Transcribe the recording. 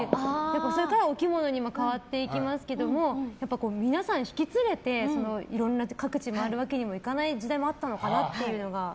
お着物、変わっていきますけど皆さんを引き連れていろんな各地回るわけにはいかない時代もあったのかなって。